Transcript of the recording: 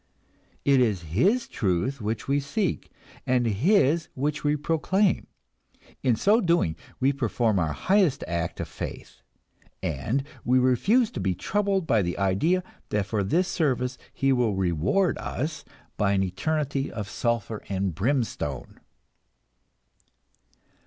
It is His truth which we seek, and His which we proclaim. In so doing we perform our highest act of faith, and we refuse to be troubled by the idea that for this service He will reward us by an eternity of sulphur and brimstone.